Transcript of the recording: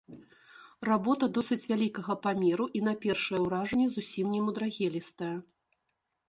Работа досыць вялікага памеру і на першае ўражанне зусім немудрагелістая.